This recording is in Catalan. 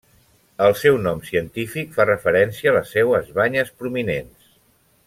El seu nom científic fa referència a les seues banyes prominents.